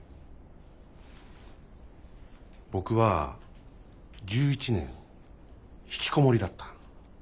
僕は１１年ひきこもりだった。